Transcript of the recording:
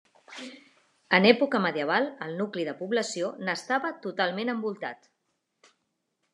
En època medieval el nucli de població n'estava totalment envoltat.